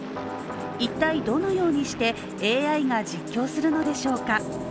一体、どのようにしてＡＩが実況するのでしょうか。